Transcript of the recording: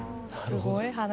なるほど。